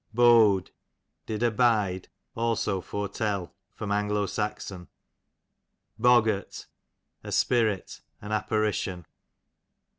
Bode, did abide, also foretell. A. S. Boggart, a spirit, an apparition.